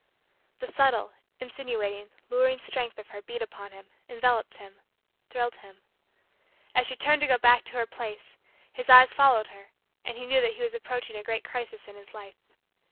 The subtle, insinuating, luring, strength of her beat upon him, enveloped him, thrilled him. As she turned to go back to her place, his eyes followed her and he knew that he was approaching a great crisis in his life.